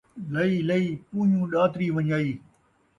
لئی لئی ، پویوں ݙاتری ون٘ڄائی